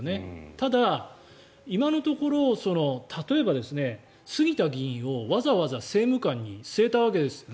ただ、今のところ例えば杉田議員をわざわざ政務官に据えたわけですよね。